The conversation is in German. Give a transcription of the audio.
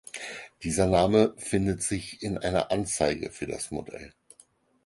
Dieser Name findet sich in einer Anzeige für das Modell.